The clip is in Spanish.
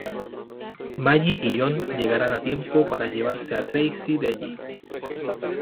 Maggie y John llegarán a tiempo para llevarse a Tracy de allí.